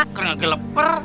karena gak geleper